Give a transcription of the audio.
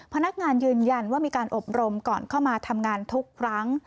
พนักงานยืนยันว่ามีการอบรมก่อนเข้ามาทำงานทุกครั้ง